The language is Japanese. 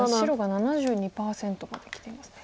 ７２％まできていますね。